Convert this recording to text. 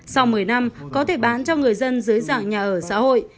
sau một mươi năm có thể bán cho người dân dưới dạng nhà ở xã hội